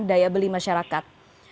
daya beli masyarakat